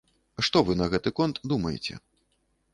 Што вы на гэты конт думаеце?